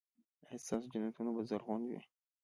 ایا ستاسو جنتونه به زرغون وي؟